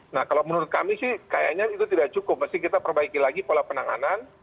nah kalau menurut kami sih kayaknya itu tidak cukup mesti kita perbaiki lagi pola penanganan